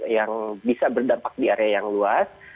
yang bisa berdampak di area yang luas